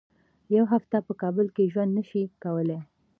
یوه هفته په کابل کې ژوند نه شي کولای.